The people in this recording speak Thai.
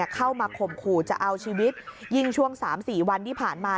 เข้ามาข่มขู่จะเอาชีวิตยิ่งช่วง๓๔วันที่ผ่านมา